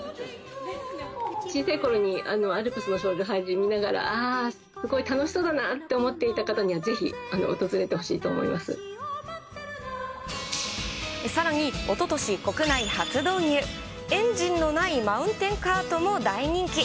小さいころにアルプスの少女ハイジ見ながら、ああ、すごい楽しそうだなと思っていた方には、さらにおととし、国内初導入、エンジンのないマウンテンカートも大人気。